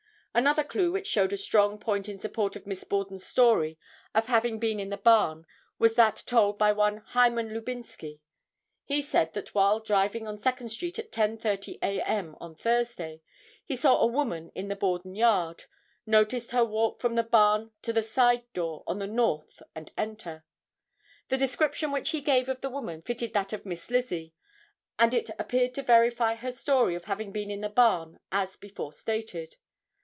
Another clue which showed a strong point in support of Miss Borden's story of having been in the barn was that told by one Hyman Lubinsky. He said that while driving on Second street at 10:30 a. m., on Thursday, he saw a woman in the Borden yard; noticed her walk from the barn to the side door on the north and enter. The description which he gave of the woman fitted that of Miss Lizzie and it appeared to verify her story of having been in the barn as before stated.